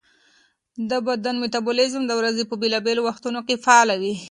د بدن میټابولیزم د ورځې په بېلابېلو وختونو کې فعال وي.